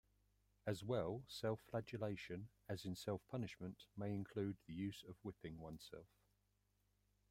As well, self-flagellation, as in self punishment, may include the use of whipping oneself.